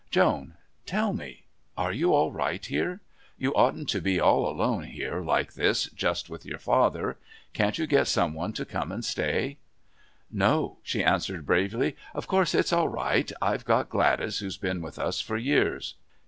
"Joan, tell me. Are you all right here? You oughtn't to be all alone here like this, just with your father. Can't you get some one to come and stay?" "No," she answered bravely. "Of course it's all right. I've got Gladys, who's been with us for years."